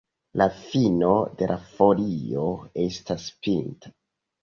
La fino de la folio estas pinta.